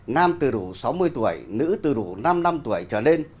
nam từ đủ sáu mươi tuổi nữ từ đủ năm năm tuổi